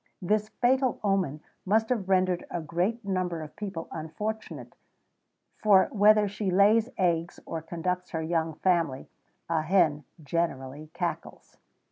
[XVII 18] This fatal omen must have rendered a great number of people unfortunate; for whether she lays eggs, or conducts her young family, a hen generally cackles.